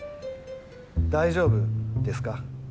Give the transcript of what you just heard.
大丈夫ですか？